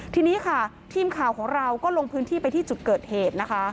ทีนี้ค่ะทีมข่าวของเราก็ลงพื้นที่ไปที่จุดเกิดเหตุนะคะ